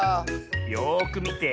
よくみて。